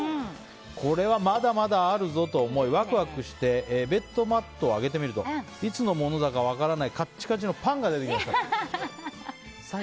これはまだまだあるぞと思いワクワクしてベッドマットを上げてみるといつのものだか分からないカチカチのパンが出てきました。